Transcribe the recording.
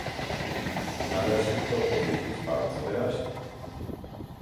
Należy to powiedzieć bardzo wyraźnie